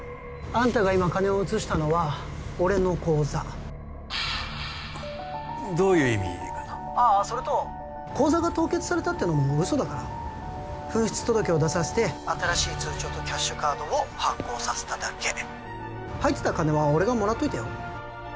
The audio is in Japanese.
あんたが今金を移したのは俺の口座どういう意味かな☎ああそれと口座が凍結されたってのも嘘だから紛失届を出させて☎新しい通帳とキャッシュカードを発行させただけ入ってた金は俺がもらっといたよ